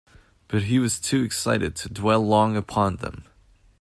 But he was too excited to dwell long upon them.